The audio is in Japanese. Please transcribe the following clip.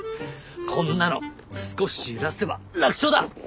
こんなの少し揺らせば楽勝だ。